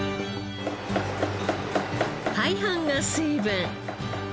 大半が水分。